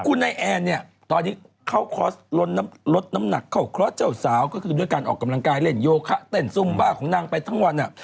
คุณนายแอนเนี่ยตอนนี้เขาคอร์สลดลดน้ำหนักเข้าคลอดเจ้าสาวก็คือด้วยการออกกำลังกายเล่นโยคะเต้นซุ่มบ้าของนางไปทั้งวัน